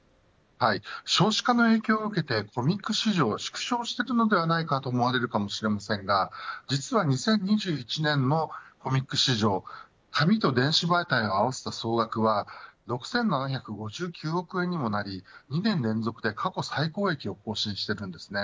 少子化の影響を受けてコミック市場は縮小しているのではないかと思われるかもしれませんが実は２０２１年のコミック市場紙と電子版体を合わせた総額は６７５９億円にもなり２年連続で過去最高益を更新しているんです。